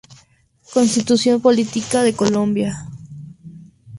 Constitución política de Colombia